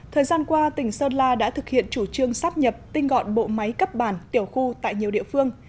thời gian qua tỉnh sơn la đã thực hiện chủ trương sắp nhập tinh gọn bộ máy cấp bản tiểu khu tại nhiều địa phương